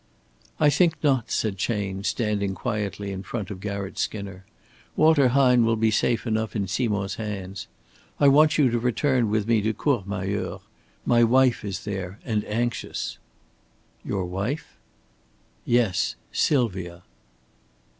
"I think not," said Chayne, standing quietly in front of Garratt Skinner. "Walter Hine will be safe enough in Simond's hands. I want you to return with me to Courmayeur. My wife is there and anxious." "Your wife?" "Yes, Sylvia."